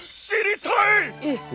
えっ！